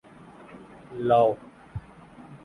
لاؤ